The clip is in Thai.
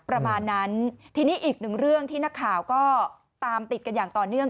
ประมาณนั้นทีนี้อีกหนึ่งเรื่องที่นักข่าวก็ตามติดกันอย่างต่อเนื่อง